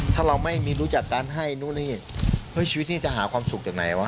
ถ้าเราไม่มีรู้จักการให้นู่นนี่เฮ้ยชีวิตนี้จะหาความสุขจากไหนวะ